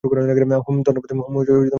হুমম ধন্যবাদ তোমাকে।